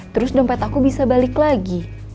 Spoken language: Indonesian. terus dompet aku bisa balik lagi